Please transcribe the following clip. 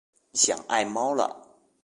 想爱猫了